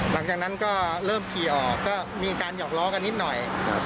หลังจากนั้นก็เริ่มขี่ออกก็มีการหยอกล้อกันนิดหน่อย